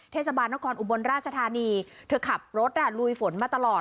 เทศบาลนครอุบลราชธานีเธอขับรถลุยฝนมาตลอด